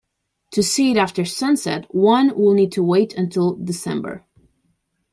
To see it after sunset, one will need to wait until December.